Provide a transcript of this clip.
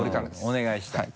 お願いしたい。